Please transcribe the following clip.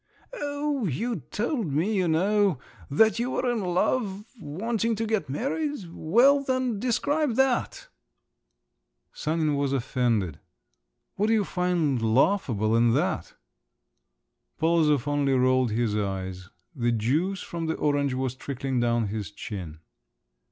"Oh, you told me, you know, that you were in love, wanting to get married. Well, then, describe that." Sanin was offended. "What do you find laughable in that?" Polozov only rolled his eyes. The juice from the orange was trickling down his chin.